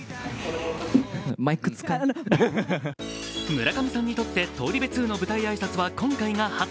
村上さんにとって「東リベ２」の舞台挨拶は今回が初。